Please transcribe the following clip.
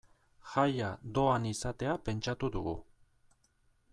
Jaia doan izatea pentsatu dugu.